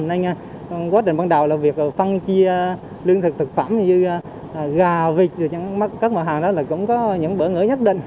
nên quá trình ban đầu là việc phân chia lương thực thực phẩm như gà vịt các mở hàng đó là cũng có những bỡ ngỡ nhất định